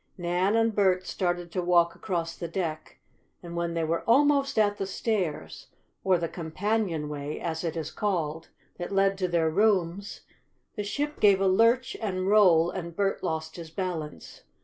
Nan and Bert started to walk across the deck, and when they were almost at the stairs, or the "companionway" as it is called, that led to their rooms, the ship gave a lurch and roll, and Bert lost his balance.